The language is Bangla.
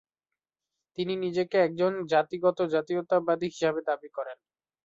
তিনি নিজেকে একজন জাতিগত জাতীয়তাবাদী হিসেবে দাবি করেন।